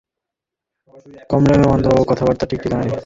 কমলেন্দুবাবু অবশ্য বারবার বলে দিয়েছেন-এই লোকের কথাবার্তার ঠিকঠিকানা নেই।